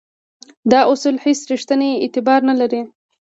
دا اصول هیڅ ریښتینی اعتبار نه لري.